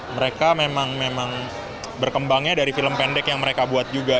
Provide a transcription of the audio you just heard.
mereka memang berkembangnya dari film pendek yang mereka buat juga